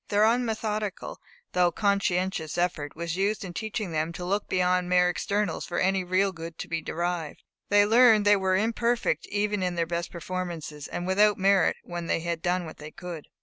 Their unmethodical though conscientious effort was useful in teaching them to look beyond mere externals for any real good to be derived. They learned they were imperfect even in their best performances, and without merit when they had done what they could.